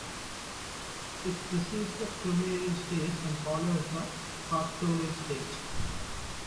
It precedes the Cromerian Stage and follows the Pastonian Stage.